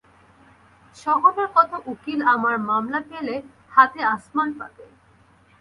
শহরের কত উকিল আমার মামলা পেলে হাতে আসমান পাবে।